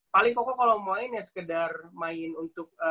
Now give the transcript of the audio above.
paling kokoh kalau main ya sekedar main untuk